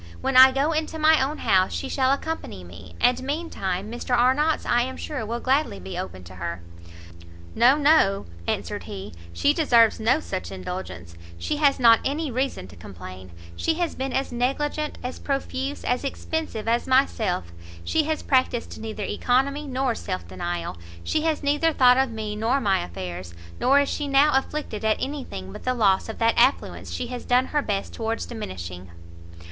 When I go into my own house, she shall accompany me, and mean time Mr Arnott's I am sure will gladly be open to her." "No, no," answered he, "she deserves no such indulgence; she has not any reason to complain, she has been as negligent, as profuse, as expensive as myself; she has practised neither oeconomy nor self denial, she has neither thought of me nor my affairs, nor is she now afflicted at any thing but the loss of that affluence she has done her best towards diminishing.